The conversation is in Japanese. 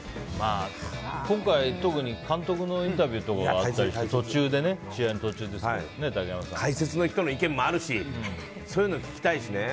今回、特に監督のインタビューとかあったりして解説の人の意見もあるしそういうのを聞きたいしね。